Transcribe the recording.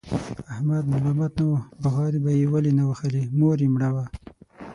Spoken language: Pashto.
احمد ملامت نه و، بغارې به یې ولې نه وهلې؛ مور یې مړه وه.